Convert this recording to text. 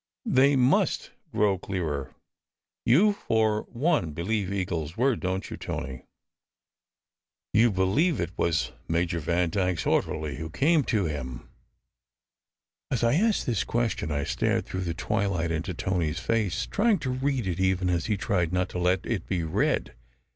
They must grow clearer! You for one believe Eagle s word, don t you, Tony? You believe it was Major Vandyke s orderly who came to him?" As I asked this question, I stared through the twilight into Tony s face, trying to read it even as he tried not to let it be read.